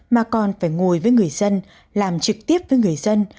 mà còn phải ngồi với người dân làm trực tiếp với người dân